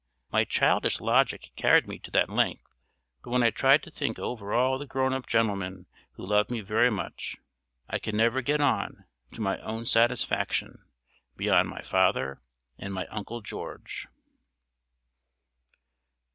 My childish logic carried me to that length. But when I tried to think over all the grown up gentlemen who loved me very much, I could never get on, to my own satisfaction, beyond my father and my Uncle George.